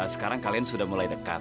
sekarang kalian sudah mulai dekat